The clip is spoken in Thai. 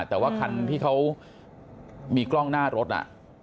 แต่ว่าคันที่เขามีกล้องหน้ารถ